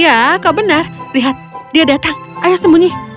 ya kau benar lihat dia datang ayo sembunyi